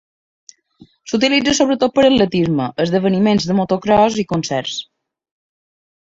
S'utilitza sobretot per a atletisme, esdeveniments de motocròs i concerts.